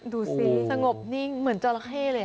ดูสิสงบนิ่งเหมือนจราเข้เลย